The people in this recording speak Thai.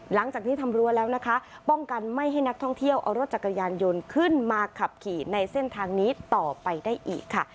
หลังจากที่ทำรั้วแล้วนะคะป้องกันไม่ให้นักท่องเที่ยวเอารถจักรยานยนต์ขึ้นมาขับขี่ในเส้นทางนี้ต่อไปได้อีกค่ะ